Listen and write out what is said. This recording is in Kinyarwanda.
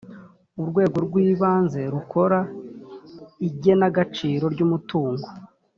urwego rw ibanze rukora igenagaciro ry umutungo